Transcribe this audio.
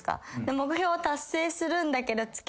目標を達成するんだけど。